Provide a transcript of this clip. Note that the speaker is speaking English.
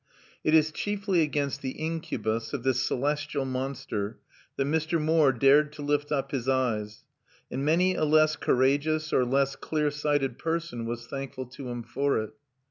It is chiefly against the incubus of this celestial monster that Mr. Moore dared to lift up his eyes; and many a less courageous or less clear sighted person was thankful to him for it.